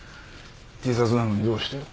自殺なのにどうして？